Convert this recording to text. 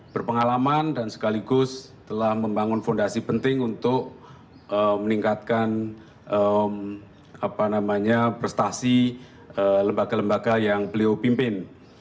berpengalaman dan sekaligus telah membangun fondasi penting untuk meningkatkan prestasi lembaga lembaga yang beliau pimpin